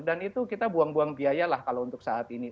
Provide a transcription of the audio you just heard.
dan itu kita buang buang biayalah kalau untuk saat ini